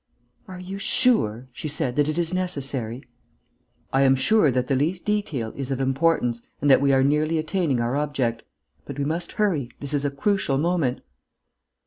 "Are you sure," she said, "that it is necessary?" "I am sure that the least detail is of importance and that we are nearly attaining our object. But we must hurry. This is a crucial moment."